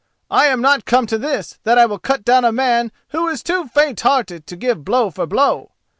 I am not come to this that I will cut down a man who is too faint hearted to give blow for blow.